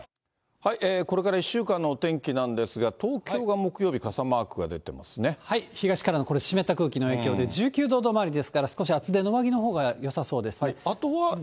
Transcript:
これから１週間のお天気なんですが、東京が木曜日、傘マーク東からの湿った空気の影響で、１９度止まりですから、少し厚手の上着のほうがよさそうですね。